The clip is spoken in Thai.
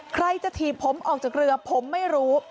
ใครจะถีบผมออกจากเรือผมไม่รู้